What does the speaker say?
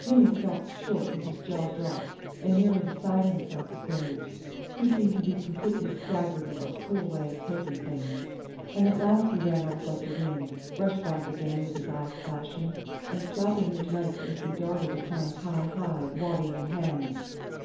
Jimmy stopped short with his jaw dropped, and nearly beside himself with rage. He seemed to be completely staggered at our cool way of taking things, and at last he ran off like the wind, rushed back again with his eyes flashing, and slapping his legs as he darted upon Ti hi, waddy in hand.